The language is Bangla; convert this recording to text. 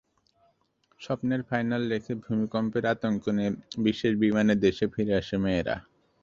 স্বপ্নের ফাইনাল রেখে ভূমিকম্পের আতঙ্ক নিয়ে বিশেষ বিমানে দেশে ফিরে আসে মেয়েরা।